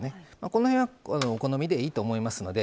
この辺はお好みでいいと思いますので。